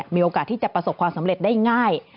มีโอกาสที่จะประสบความสำเร็จได้ง่าย